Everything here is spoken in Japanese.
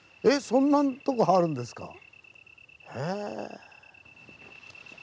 えっそんなとこあるんですか。